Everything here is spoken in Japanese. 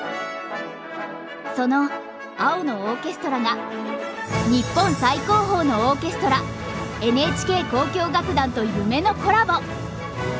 その「青のオーケストラ」が日本最高峰のオーケストラＮＨＫ交響楽団と夢のコラボ！